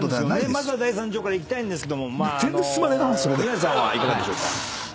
まずは第３条からいきたいんですけど宮世さんはいかがでしょうか？